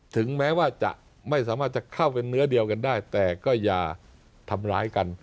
ถึงแม้ว่าจะไม่สามารถจะเข้าเป็นเนื้อเดียวกันได้แต่ก็อย่าทำร้ายกัน